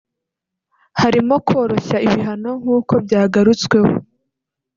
harimo koroshya ibihano nkuko byagarutsweho